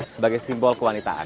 sebagai simbol kewanitaan